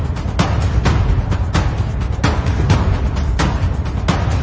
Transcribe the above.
อันนี้ก็จะไปยังไม่ได้